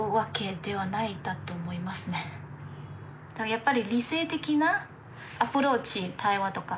やっぱり。